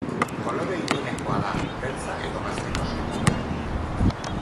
Kolore ilunekoa da, beltza edo gaztain oso iluna.